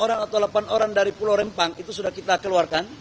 orang atau delapan orang dari pulau rempang itu sudah kita keluarkan